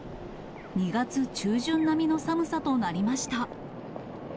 ２月中旬並みの寒さとなりました。